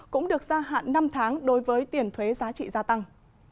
cũng được gia hạn năm tháng đối với tiền thuế giá trị gia tăng